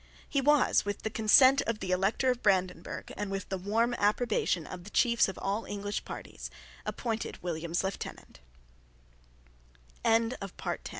He was, with the consent of the Elector of Brandenburg, and with the warm approbation of the chiefs of all English parties, appointed William's lieutenant.